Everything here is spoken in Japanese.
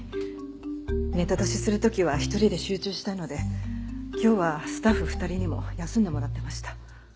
ネタ出しする時は一人で集中したいので今日はスタッフ２人にも休んでもらってました。